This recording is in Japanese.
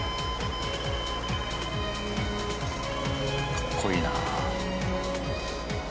かっこいいなあ。